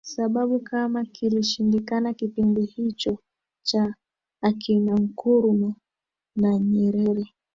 sababu kama kilishindikana kipindi hicho cha akina nkurumah na nyerere